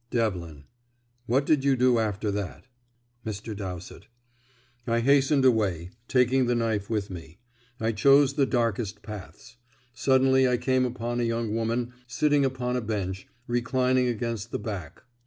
Devlin: "What did you do after that?" Mr. Dowsett: "I hastened away, taking the knife with me. I chose the darkest paths. Suddenly I came upon a young woman sitting upon a bench, reclining against the back.